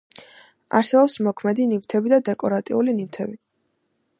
არსებობს მოქმედი ნივთები და დეკორატიული ნივთები.